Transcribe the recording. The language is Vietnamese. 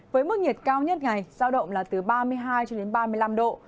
với mức nhiệt cao nhất ngày giao động là từ ba mươi hai cho đến ba mươi năm độ